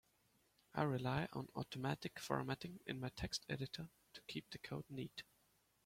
I rely on automatic formatting in my text editor to keep the code neat.